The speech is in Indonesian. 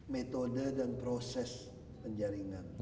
metode dan proses penjaringan